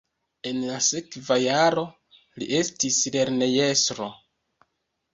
En la sekva jaro li estis lernejestro.